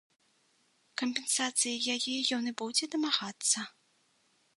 Кампенсацыі яе ён і будзе дамагацца.